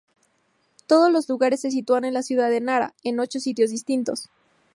Todos los lugares se sitúan en la ciudad de Nara, en ocho sitios distintos.